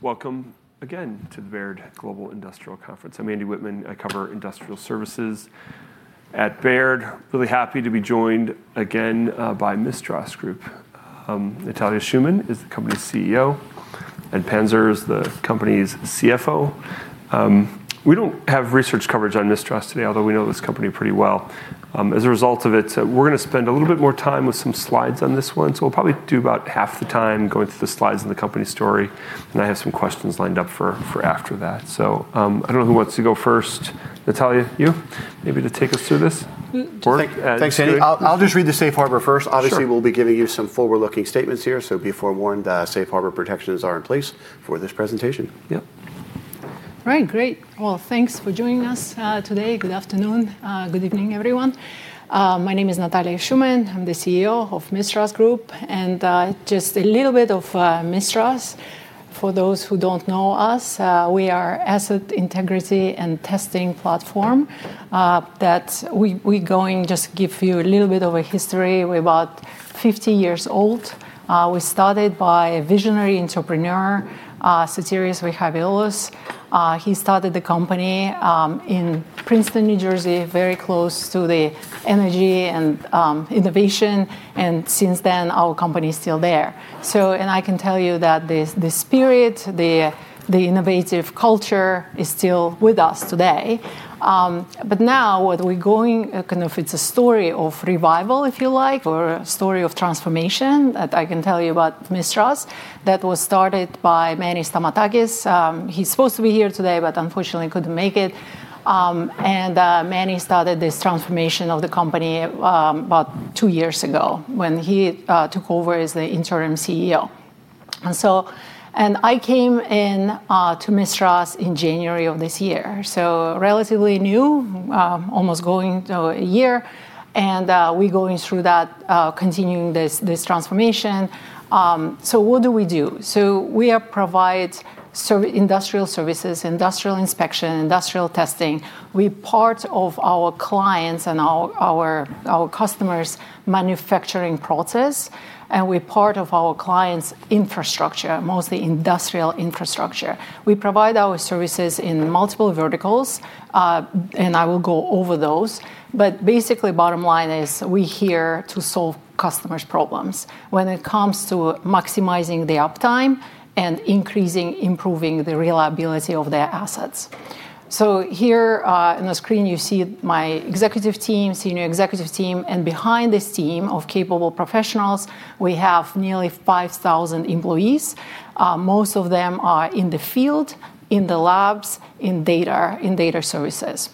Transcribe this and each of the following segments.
Welcome again to the Baird Global Industrial Conference. I'm Andy Whitman. I cover industrial services at Baird. Really happy to be joined again by Mistras Group. Natalia Shuman is the company's CEO, and Ed Prajzner is the company's CFO. We don't have research coverage on Mistras today, although we know this company pretty well. As a result of it, we're going to spend a little bit more time with some slides on this one. We'll probably do about half the time going through the slides and the company story. I have some questions lined up for after that. I don't know who wants to go first. Natalia, you? Maybe to take us through this? Thanks, Andy. I'll just read the Safe Harbor first. Obviously, we'll be giving you some forward-looking statements here. So be forewarned that Safe Harbor protections are in place for this presentation. Yep. All right, great. Thanks for joining us today. Good afternoon. Good evening, everyone. My name is Natalia Shuman. I'm the CEO of Mistras Group. And just a little bit of Mistras. For those who don't know us, we are an asset integrity and testing platform that we're going just to give you a little bit of a history. We're about 50 years old. We started by a visionary entrepreneur, Sotirios Zaharopoulos. He started the company in Princeton, New Jersey, very close to the energy and innovation. Since then, our company is still there. I can tell you that the spirit, the innovative culture is still with us today. Now what we're going kind of it's a story of revival, if you like, or a story of transformation that I can tell you about Mistras that was started by Manny Stamatakis. He's supposed to be here today, but unfortunately couldn't make it. Manny started this transformation of the company about two years ago when he took over as the interim CEO. I came into Mistras in January of this year. Relatively new, almost going a year. We're going through that, continuing this transformation. What do we do? We provide industrial services, industrial inspection, industrial testing. We're part of our clients' and our customers' manufacturing process. We're part of our clients' infrastructure, mostly industrial infrastructure. We provide our services in multiple verticals. I will go over those. Basically, bottom line is we're here to solve customers' problems when it comes to maximizing the uptime and increasing, improving the reliability of their assets. Here on the screen, you see my executive team, senior executive team. Behind this team of capable professionals, we have nearly 5,000 employees. Most of them are in the field, in the labs, in data services.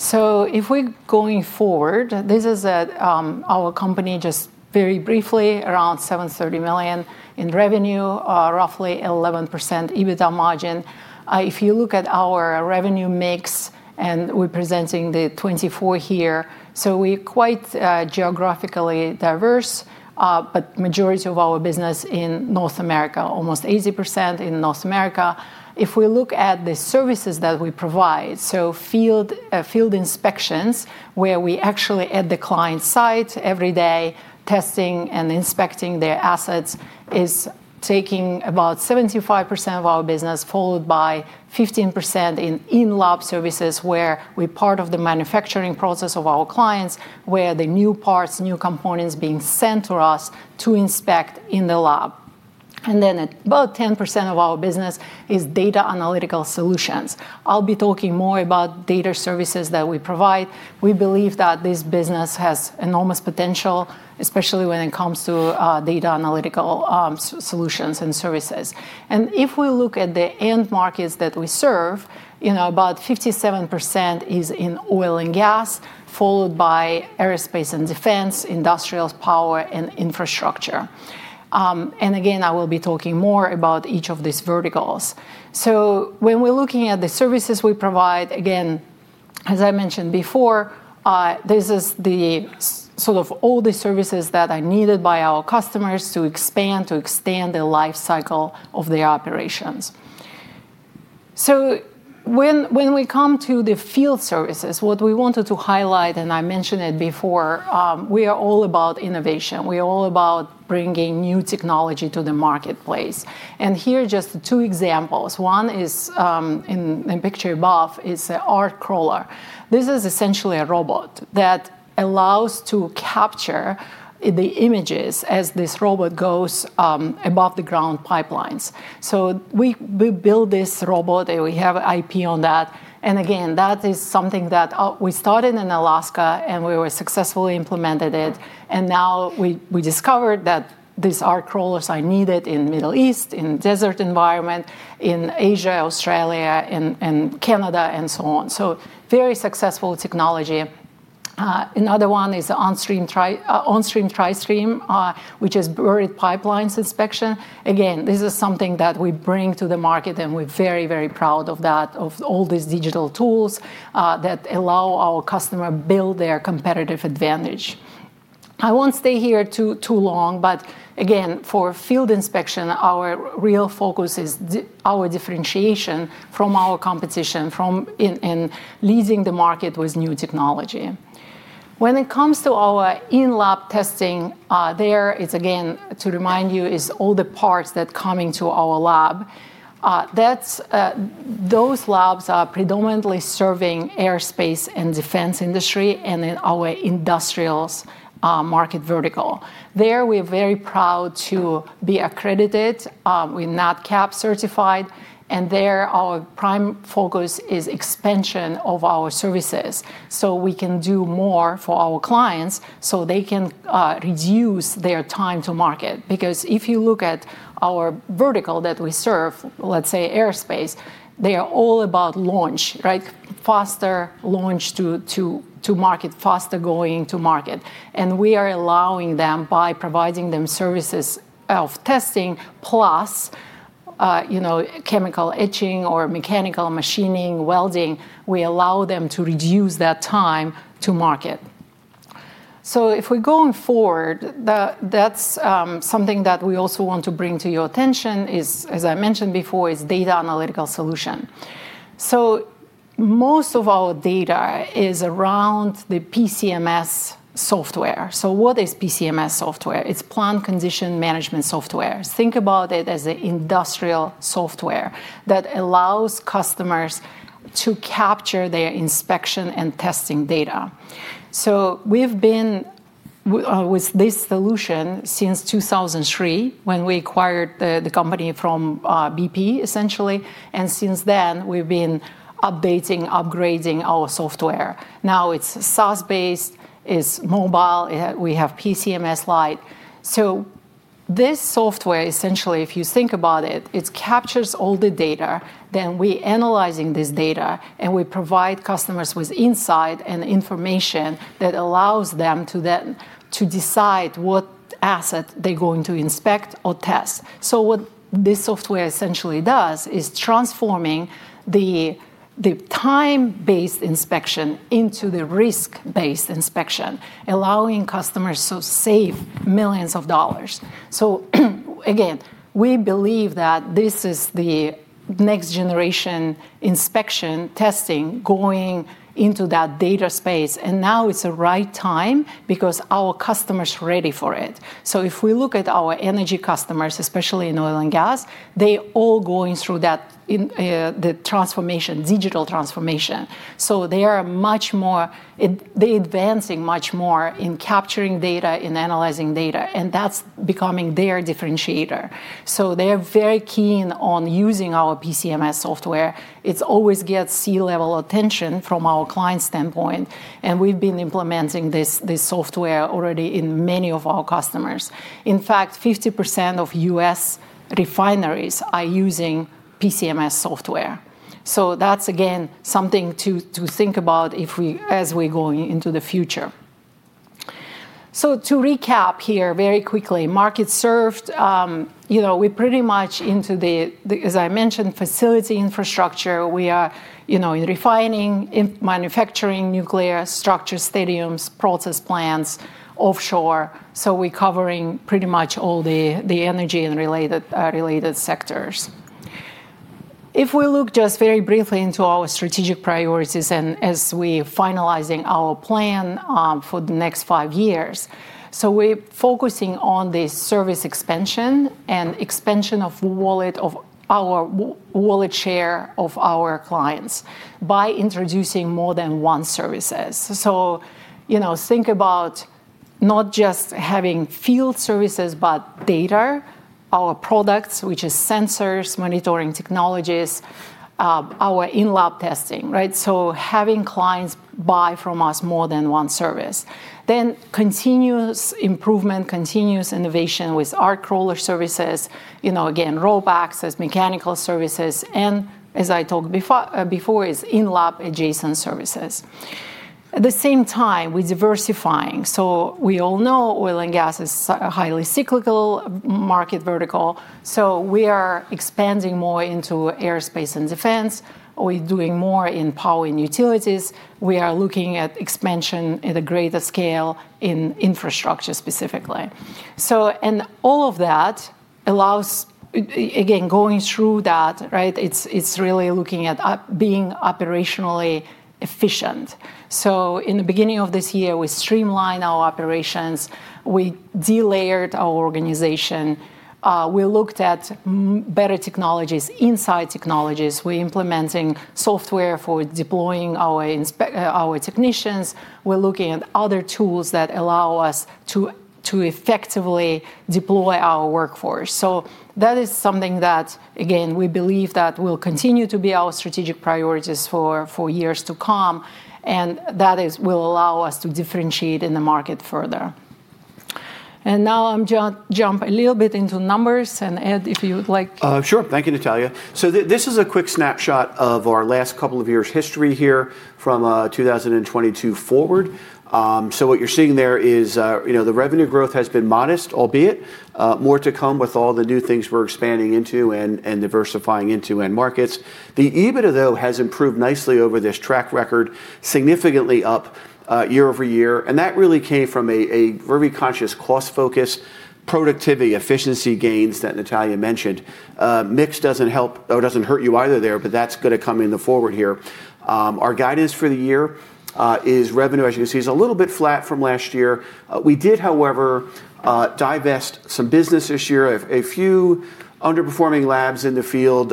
If we're going forward, this is our company just very briefly, around $730 million in revenue, roughly 11% EBITDA margin. If you look at our revenue mix, and we're presenting the 2024 here, we are quite geographically diverse. The majority of our business is in North America, almost 80% in North America. If we look at the services that we provide, field inspections where we are actually at the client site every day, testing and inspecting their assets is taking about 75% of our business, followed by 15% in lab services where we are part of the manufacturing process of our clients, where the new parts, new components being sent to us to inspect in the lab. About 10% of our business is data analytical solutions. I'll be talking more about data services that we provide. We believe that this business has enormous potential, especially when it comes to data analytical solutions and services. If we look at the end markets that we serve, about 57% is in oil and gas, followed by aerospace and defense, industrial power, and infrastructure. I will be talking more about each of these verticals. When we're looking at the services we provide, as I mentioned before, this is sort of all the services that are needed by our customers to expand, to extend the lifecycle of their operations. When we come to the field services, what we wanted to highlight, and I mentioned it before, we are all about innovation. We are all about bringing new technology to the marketplace. Here are just two examples. One is in the picture above, is the ARC Crawler. This is essentially a robot that allows to capture the images as this robot goes above the ground pipelines. We build this robot, and we have IP on that. Again, that is something that we started in Alaska, and we successfully implemented it. Now we discovered that these ARC Crawlers are needed in the Middle East, in desert environment, in Asia, Australia, and Canada, and so on. Very successful technology. Another one is the OnStream TriStream, which is buried pipelines inspection. Again, this is something that we bring to the market, and we're very, very proud of that, of all these Digital Tools that allow our customers to build their competitive advantage. I won't stay here too long. Again, for field inspection, our real focus is our differentiation from our competition in leading the market with new technology. When it comes to our in-lab testing, there it is, again, to remind you, is all the parts that are coming to our lab. Those labs are predominantly serving aerospace and defense industry and in our industrials market vertical. There we are very proud to be accredited. We are NADCAP certified. There our prime focus is expansion of our services so we can do more for our clients so they can reduce their time to market. If you look at our vertical that we serve, let's say aerospace, they are all about launch, right? Faster launch to market, faster going to market. We are allowing them by providing them services of testing plus chemical etching or mechanical machining, welding. We allow them to reduce that time to market. If we're going forward, that's something that we also want to bring to your attention is, as I mentioned before, is data analytical solution. Most of our data is around the PCMS software. What is PCMS software? It's plant condition management software. Think about it as an industrial software that allows customers to capture their inspection and testing data. We've been with this solution since 2003 when we acquired the company from BP, essentially. Since then, we've been updating, upgrading our software. Now it's SaaS-based, it's mobile, we have PCMS Lite. This software, essentially, if you think about it, it captures all the data. Then we're analyzing this data, and we provide customers with insight and information that allows them to decide what asset they're going to inspect or test. What this software essentially does is transforming the time-based inspection into the risk-based inspection, allowing customers to save millions of dollars. Again, we believe that this is the next generation inspection testing going into that data space. Now it's the right time because our customers are ready for it. If we look at our energy customers, especially in oil and gas, they're all going through the transformation, digital transformation. They are much more, they're advancing much more in capturing data and analyzing data. That's becoming their differentiator. They're very keen on using our PCMS software. It always gets C-level attention from our client standpoint. We've been implementing this software already in many of our customers. In fact, 50% of US refineries are using PCMS software. That's, again, something to think about as we're going into the future. To recap here very quickly, market served. We're pretty much into the, as I mentioned, facility infrastructure. We are in refining, manufacturing, nuclear structures, stadiums, process plants, offshore. We're covering pretty much all the energy and related sectors. If we look just very briefly into our strategic priorities and as we're finalizing our plan for the next five years, we're focusing on the service expansion and expansion of our wallet share of our clients by introducing more than one services. Think about not just having field services, but data, our products, which are sensors, monitoring technologies, our in-lab testing, right? Having clients buy from us more than one service. Then continuous improvement, continuous innovation with ARC Crawler services, again, rope access, mechanical services. As I talked before, it's in-lab adjacent services. At the same time, we're diversifying. We all know oil and gas is a highly cyclical market vertical. We are expanding more into aerospace and defense. We're doing more in power and utilities. We are looking at expansion at a greater scale in infrastructure specifically. All of that allows, again, going through that, right? It's really looking at being operationally efficient. In the beginning of this year, we streamlined our operations. We delayered our organization. We looked at better technologies, inside technologies. We're implementing software for deploying our technicians. We're looking at other tools that allow us to effectively deploy our workforce. That is something that, again, we believe that will continue to be our strategic priorities for years to come. That will allow us to differentiate in the market further. Now I'm going to jump a little bit into numbers and Ed, if you would like. Sure. Thank you, Natalia. This is a quick snapshot of our last couple of years' history here from 2022 forward. What you are seeing there is the revenue growth has been modest, albeit more to come with all the new things we are expanding into and diversifying into and markets. The EBITDA, though, has improved nicely over this track record, significantly up year-over-year. That really came from a very conscious cost focus, productivity, efficiency gains that Natalia mentioned. Mix does not help or does not hurt you either there, but that is going to come in the forward here. Our guidance for the year is revenue, as you can see, is a little bit flat from last year. We did, however, divest some business this year. A few underperforming labs in the field,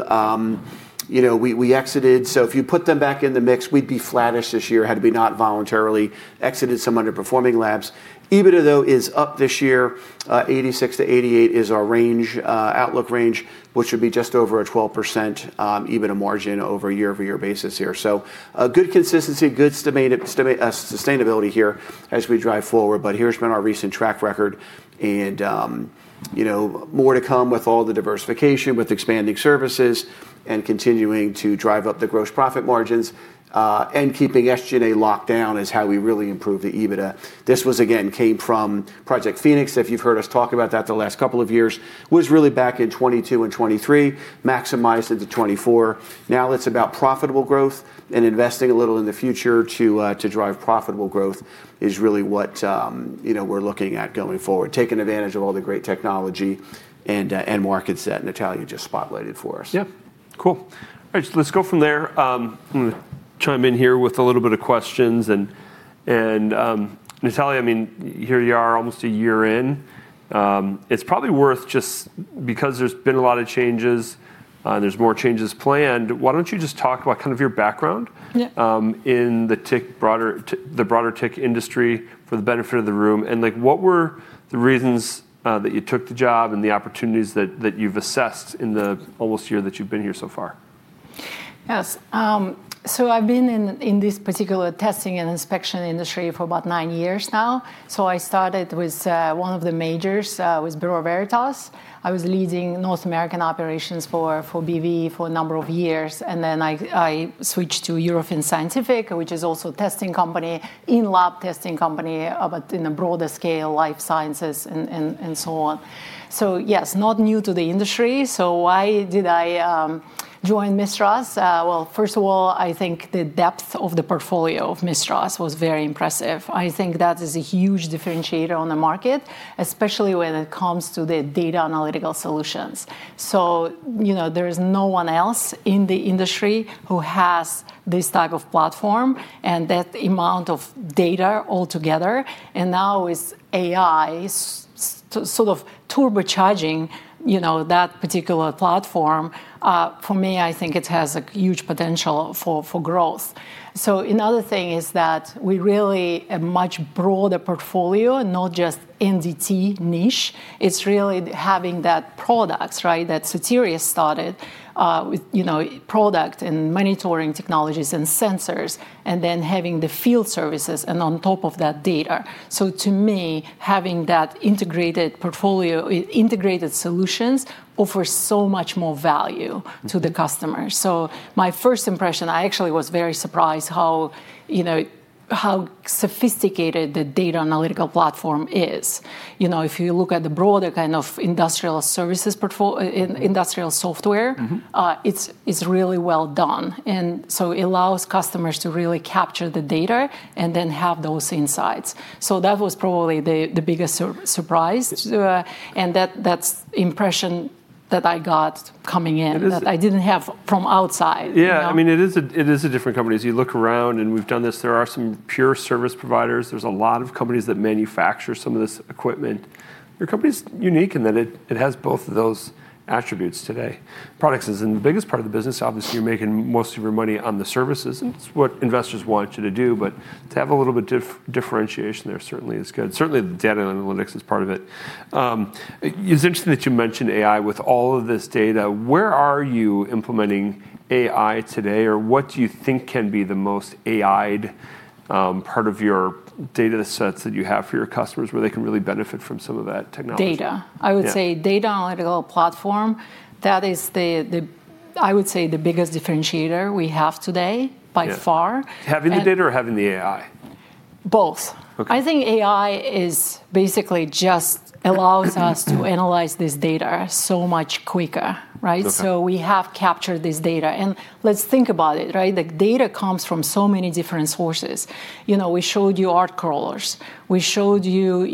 we exited. If you put them back in the mix, we'd be flattish this year, had to be not voluntarily exited some underperforming labs. EBITDA, though, is up this year. $86 million–$88 million is our outlook range, which would be just over a 12% EBITDA margin over a year-over-year basis here. Good consistency, good sustainability here as we drive forward. Here's been our recent track record. More to come with all the diversification, with expanding services and continuing to drive up the gross profit margins. Keeping SG&A locked down is how we really improve the EBITDA. This, again, came from Project PHOENIX. If you've heard us talk about that the last couple of years, was really back in 2022 and 2023, maximized into 2024. Now it's about profitable growth and investing a little in the future to drive profitable growth is really what we're looking at going forward, taking advantage of all the great technology and markets that Natalia just spotlighted for us. Yep. Cool. All right. Let's go from there. I'm going to chime in here with a little bit of questions. And Natalia, I mean, here you are almost a year in. It's probably worth just because there's been a lot of changes and there's more changes planned, why don't you just talk about kind of your background in the broader tech industry for the benefit of the room and what were the reasons that you took the job and the opportunities that you've assessed in the almost year that you've been here so far? Yes. So I've been in this particular testing and inspection industry for about nine years now. I started with one of the majors, with Bureau Veritas. I was leading North American operations for BV for a number of years. Then I switched to Eurofins Scientific, which is also a testing company, in-lab testing company, but in a broader scale, life sciences and so on. Yes, not new to the industry. Why did I join Mistras? First of all, I think the depth of the portfolio of Mistras was very impressive. I think that is a huge differentiator on the market, especially when it comes to the data analytical solutions. There is no one else in the industry who has this type of platform and that amount of data altogether. Now with AI sort of turbocharging that particular platform, for me, I think it has a huge potential for growth. Another thing is that we really have a much broader portfolio, not just NDT niche. It is really having those products, right, that Sotirios started with, product and monitoring technologies and sensors, and then having the field services and on top of that data. To me, having that integrated portfolio, integrated solutions offers so much more value to the customers. My first impression, I actually was very surprised how sophisticated the data analytical platform is. If you look at the broader kind of industrial services portfolio, industrial software, it is really well done. It allows customers to really capture the data and then have those insights. That was probably the biggest surprise. That's the impression that I got coming in that I didn't have from outside. Yeah. I mean, it is a different company. As you look around and we've done this, there are some pure service providers. There's a lot of companies that manufacture some of this equipment. Your company's unique in that it has both of those attributes today. Products isn't the biggest part of the business. Obviously, you're making most of your money on the services. It's what investors want you to do. To have a little bit of differentiation there certainly is good. Certainly, the data and analytics is part of it. It's interesting that you mentioned AI with all of this data. Where are you implementing AI today? What do you think can be the most AI'd part of your data sets that you have for your customers where they can really benefit from some of that technology? Data. I would say data analytical platform, that is, I would say, the biggest differentiator we have today by far. Having the data or having the AI? Both. I think AI basically just allows us to analyze this data so much quicker, right? We have captured this data. Let's think about it, right? The data comes from so many different sources. We showed you ARC Crawlers. We showed you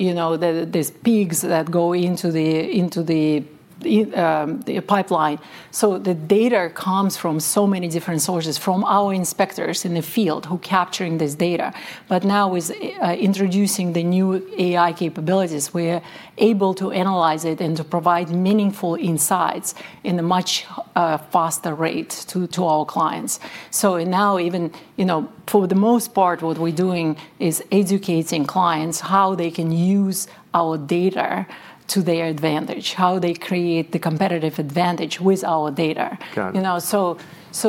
these pigs that go into the pipeline. The data comes from so many different sources from our inspectors in the field who are capturing this data. Now with introducing the new AI capabilities, we're able to analyze it and to provide meaningful insights at a much faster rate to our clients. Now, even for the most part, what we're doing is educating clients how they can use our data to their advantage, how they create the competitive advantage with our data. That's. Is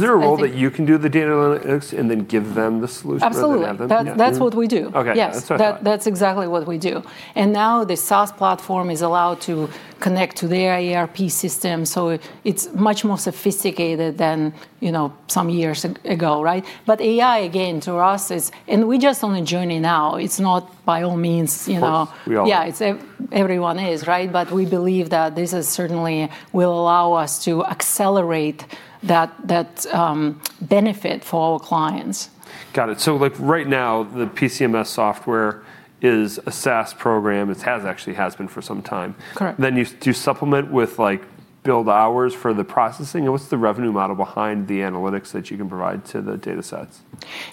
there a role that you can do the data analytics and then give them the solution? Absolutely. That's what we do. Okay. That's all right. Yes. That's exactly what we do. Now the SaaS platform is allowed to connect to their ERP system. It is much more sophisticated than some years ago, right? AI, again, to us is, and we're just on a journey now. It's not by all means. We all. Yeah. Everyone is, right? We believe that this certainly will allow us to accelerate that benefit for our clients. Got it. Right now, the PCMS software is a SaaS program. It has actually been for some time. Correct. Then you supplement with build hours for the processing. What's the revenue model behind the analytics that you can provide to the data sets?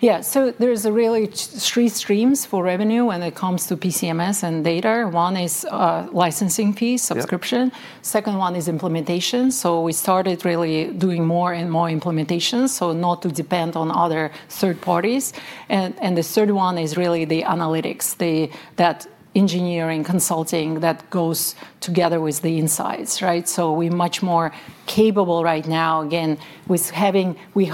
Yeah. There are really three streams for revenue when it comes to PCMS and data. One is licensing fee subscription. The second one is implementation. We started really doing more and more implementations, not to depend on other third parties. The third one is really the analytics, that engineering consulting that goes together with the insights, right? We are much more capable right now, again, with having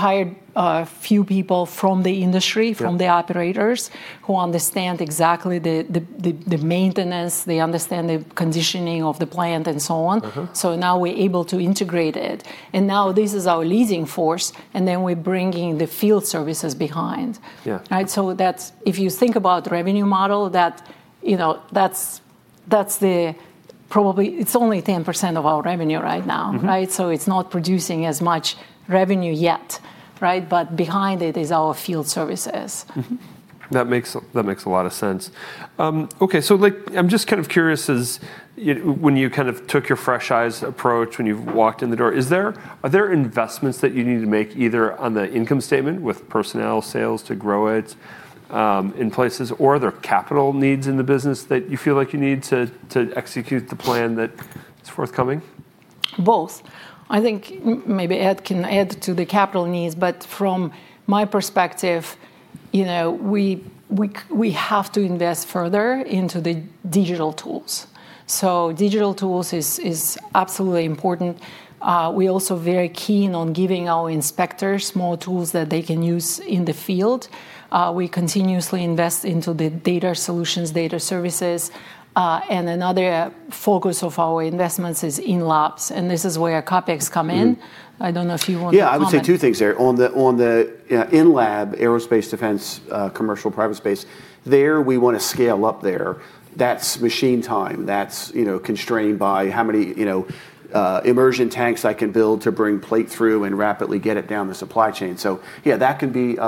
hired a few people from the industry, from the operators who understand exactly the maintenance. They understand the conditioning of the plant and so on. Now we are able to integrate it. This is our leading force. We are bringing the field services behind, right? If you think about the revenue model, that's probably only 10% of our revenue right now, right? It is not producing as much revenue yet, right? Behind it is our field services. That makes a lot of sense. Okay. So I'm just kind of curious, when you kind of took your fresh eyes approach, when you walked in the door, are there investments that you need to make either on the income statement with personnel sales to grow it in places, or are there capital needs in the business that you feel like you need to execute the plan that's forthcoming? Both. I think maybe Ed can add to the capital needs. From my perspective, we have to invest further into the Digital Tools. Digital tools is absolutely important. We are also very keen on giving our inspectors more tools that they can use in the field. We continuously invest into the Data Solutions, data services. Another focus of our investments is in-labs. This is where CAPEX comes in. I do not know if you want to. Yeah. I would say two things there. On the in-lab, aerospace, defense, commercial, private space, there we want to scale up there. That's machine time. That's constrained by how many Immersion Tanks I can build to bring plate through and rapidly get it down the supply chain. Yeah, that can be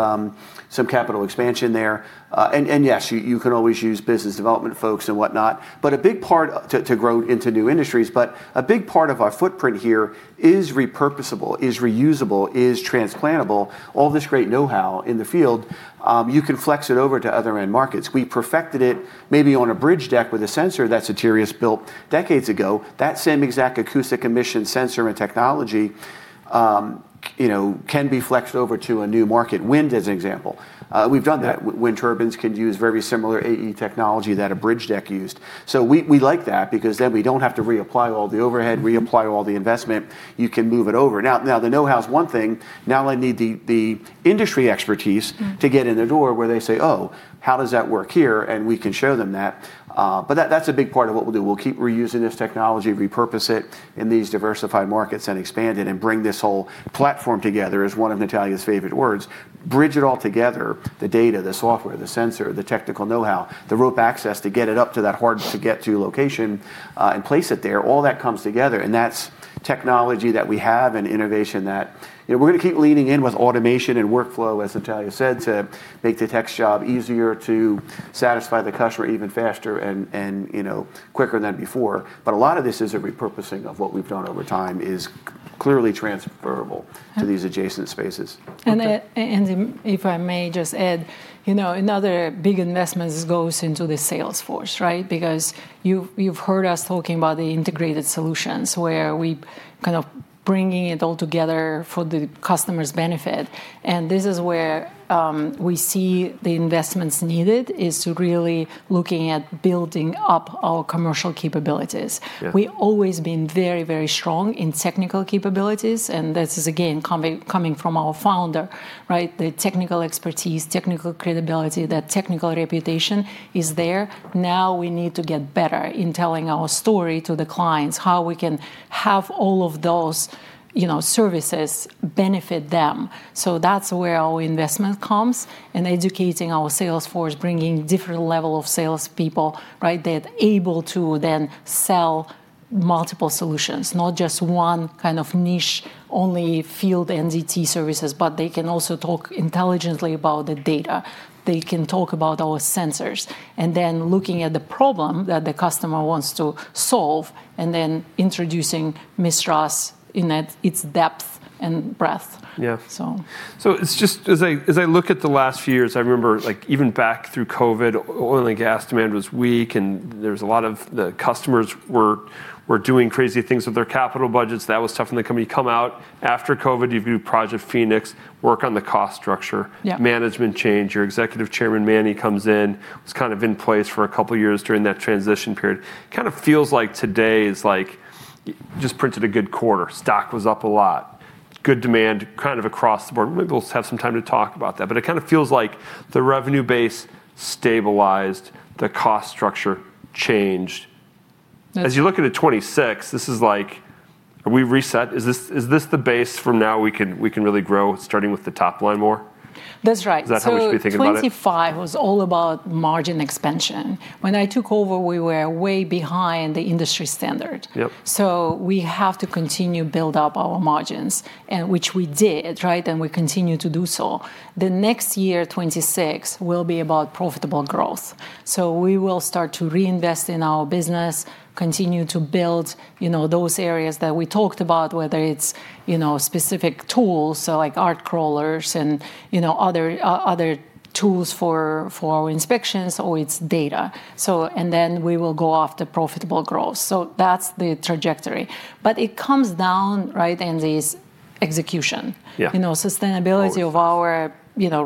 some capital expansion there. Yes, you can always use business development folks and whatnot. A big part to grow into new industries. A big part of our footprint here is repurposable, is reusable, is transplantable. All this great know-how in the field, you can flex it over to other end markets. We perfected it maybe on a bridge deck with a sensor that Sotirios built decades ago. That same exact acoustic emission sensor and technology can be flexed over to a new market, wind as an example. We've done that. Wind turbines can use very similar AE technology that a bridge deck used. We like that because then we do not have to reapply all the overhead, reapply all the investment. You can move it over. Now, the know-how is one thing. Now I need the industry expertise to get in the door where they say, "Oh, how does that work here?" We can show them that. That is a big part of what we will do. We will keep reusing this technology, repurpose it in these diversified markets and expand it and bring this whole platform together as one of Natalia's favorite words. Bridge it all together, the data, the software, the sensor, the technical know-how, the rope access to get it up to that hard-to-get-to location and place it there. All that comes together. That is technology that we have and innovation that we're going to keep leaning in with automation and workflow, as Natalia said, to make the tech's job easier to satisfy the customer even faster and quicker than before. A lot of this is a repurposing of what we've done over time and is clearly transferable to these adjacent spaces. If I may just add, another big investment goes into the Sales Force, right? Because you've heard us talking about the integrated solutions where we're kind of bringing it all together for the customer's benefit. This is where we see the investments needed, to really look at building up our commercial capabilities. We've always been very, very strong in technical capabilities. This is, again, coming from our founder, right? The technical expertise, technical credibility, that technical reputation is there. Now we need to get better in telling our story to the clients, how we can have all of those services benefit them. That's where our investment comes. Educating our Sales Force, bringing different levels of salespeople, right, that are able to then sell multiple solutions, not just one kind of niche-only field NDT services, but they can also talk intelligently about the data. They can talk about our sensors. Then looking at the problem that the customer wants to solve and then introducing Mistras in its depth and breadth, so. Yeah. As I look at the last few years, I remember even back through COVID, oil and gas demand was weak. There was a lot of the customers were doing crazy things with their capital budgets. That was tough on the company. Come out after COVID, you do Project PHOENIX, work on the cost structure, management change. Your Executive Chairman, Manny, comes in. It was kind of in place for a couple of years during that transition period. Kind of feels like today is like just printed a good quarter. Stock was up a lot. Good demand kind of across the board. Maybe we'll have some time to talk about that. It kind of feels like the revenue base stabilized, the cost structure changed. As you look at the 2026, this is like, are we reset? Is this the base from now we can really grow starting with the top line more? That's right. Is that how we should be thinking about it? 2025 was all about margin expansion. When I took over, we were way behind the industry standard. We have to continue to build up our margins, which we did, right? We continue to do so. The next year, 2026, will be about profitable growth. We will start to reinvest in our business, continue to build those areas that we talked about, whether it is specific tools, like ARC Crawlers and other tools for our inspections, or it is data. We will go after profitable growth. That is the trajectory. It comes down, right, to execution. Sustainability of our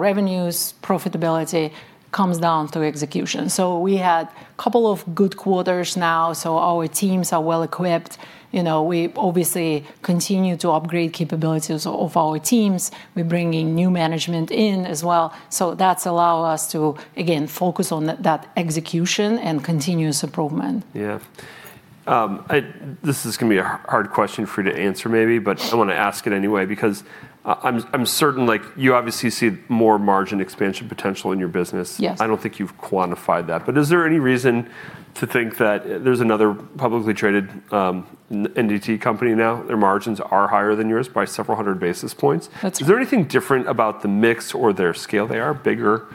revenues, profitability comes down to execution. We had a couple of good quarters now. Our teams are well equipped. We obviously continue to upgrade capabilities of our teams. We are bringing new management in as well. That's allowed us to, again, focus on that execution and continuous improvement. Yeah. This is going to be a hard question for you to answer maybe, but I want to ask it anyway because I'm certain you obviously see more margin expansion potential in your business. Yes. I don't think you've quantified that. Is there any reason to think that there's another publicly traded NDT company now? Their margins are higher than yours by several hundred basis points. That's right. Is there anything different about the mix or their scale? They are bigger.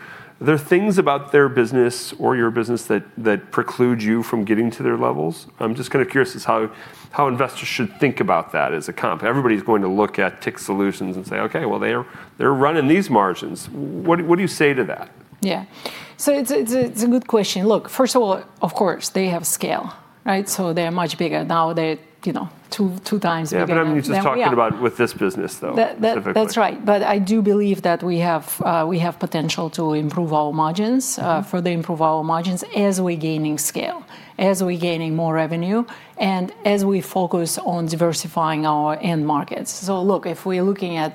Are there things about their business or your business that preclude you from getting to their levels? I'm just kind of curious as to how investors should think about that as a company. Everybody's going to look at Team and say, "Okay. They're running these margins." What do you say to that? Yeah. So it's a good question. Look, first of all, of course, they have scale, right? So they are much bigger now. They're two times bigger now. Yeah. I mean, you're just talking about with this business, though. That's right. But I do believe that we have potential to improve our margins, further improve our margins as we're gaining scale, as we're gaining more revenue, and as we focus on diversifying our end markets. If we're looking at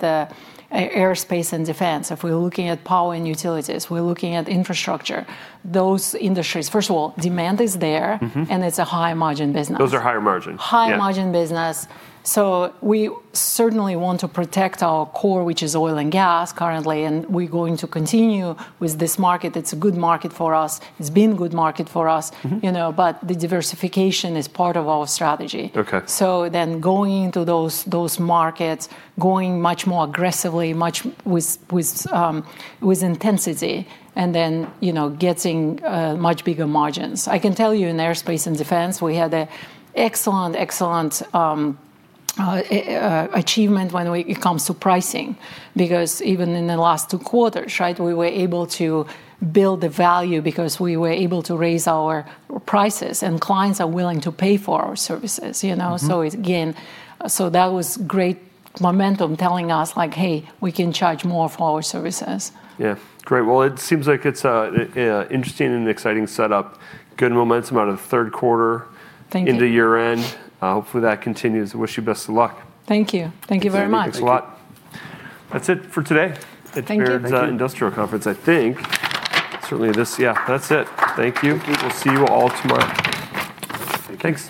aerospace and defense, if we're looking at power and utilities, we're looking at infrastructure, those industries, first of all, demand is there, and it's a high-margin business. Those are higher margin. High-margin business. We certainly want to protect our core, which is oil and gas currently. We're going to continue with this market. It's a good market for us. It's been a good market for us. The diversification is part of our strategy. Going into those markets, going much more aggressively, with intensity, and then getting much bigger margins. I can tell you in aerospace and defense, we had an excellent, excellent achievement when it comes to pricing because even in the last two quarters, right, we were able to build the value because we were able to raise our prices, and clients are willing to pay for our services. Again, that was great momentum telling us, like, "Hey, we can charge more for our services. Yeah. Great. It seems like it's an interesting and exciting setup. Good momentum out of the third quarter into year-end. Thank you. Hopefully, that continues. Wish you best of luck. Thank you. Thank you very much. Thank you so much. That's it for today. Thank you, Dan. It's the Industrial Conference, I think. Certainly, yeah. That's it. Thank you. We'll see you all tomorrow. Thanks.